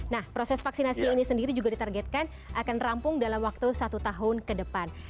nah proses vaksinasi ini sendiri juga ditargetkan akan rampung dalam waktu satu tahun ke depan